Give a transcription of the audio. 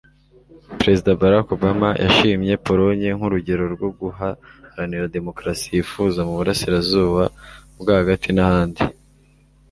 Perezida Barack Obama yashimye Polonye nk'urugero rwo guharanira demokarasi yifuza mu burasirazuba bwo hagati n'ahandi.